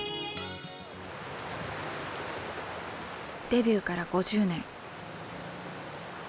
デビューから５０年。